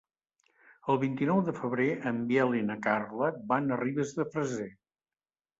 El vint-i-nou de febrer en Biel i na Carla van a Ribes de Freser.